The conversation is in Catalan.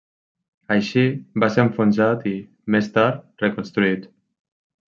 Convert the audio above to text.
Així, va ser enfonsat i, més tard, reconstruït.